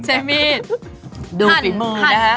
ดูฝิดมือนะครับ